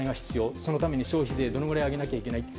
そのために消費税どのくらい上げなきゃいけないか。